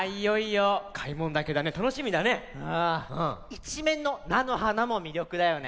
いちめんのなのはなもみりょくだよね。